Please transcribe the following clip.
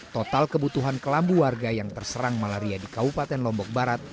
total kebutuhan kelambu warga yang terserang malaria di kabupaten lombok barat